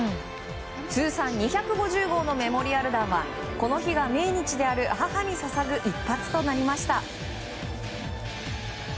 通算２５０号のメモリアル弾はこの日が命日である母に捧ぐ一発となりました。